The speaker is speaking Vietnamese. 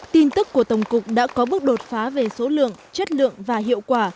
tin tức của tổng cục đã có bước đột phá về số lượng chất lượng và hiệu quả